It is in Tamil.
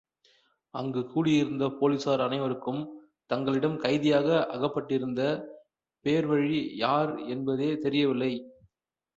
அங்கு கூடியிருந்த போலிஸார் அனைவருக்கும் தங்களிடம் கைதியாக அகப்பட்டிருந்த பேர்வழி யார் என்பதே தெரியவில்லை.